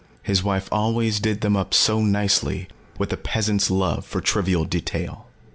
His wife always did them up so nicely with the peasant's love for trivial detail.